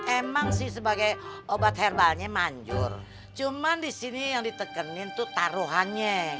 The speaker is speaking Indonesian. emang sih sebagai obat herbalnya manjur cuman disini yang ditekenin tuh taruhannya